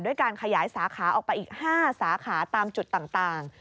การขยายสาขาออกไปอีก๕สาขาตามจุดต่าง